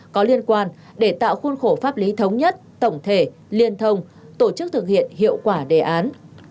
có liên quan để tạo khuôn khổ pháp lý thống nhất tổng thể liên thông tổ chức thực hiện hiệu quả đề án